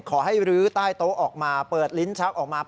ขอให้รื้อใต้โต๊ะออกมาเปิดลิ้นชักออกมา